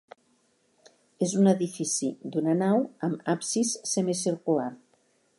És un edifici d'una nau amb absis semicircular.